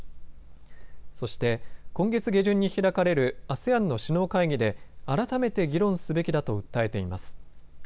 そして今月下旬に開かれるＡＳＥＡＮの首脳会議で改めて議論すべきだと訴えています。